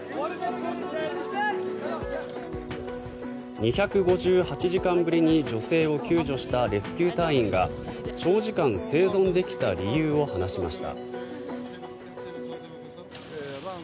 ２５８時間ぶりに女性を救助したレスキュー隊員が長時間生存できた理由を話しました。